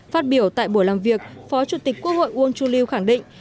phát biểu tại buổi làm việc phó chủ tịch quốc hội uông chu lưu khẳng định